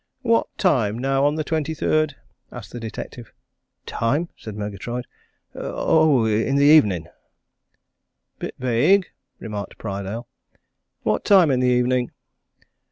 "What time, now, on the 23rd?" asked the detective. "Time?" said Murgatroyd. "Oh in the evening." "Bit vague," remarked Prydale. "What time in the evening?"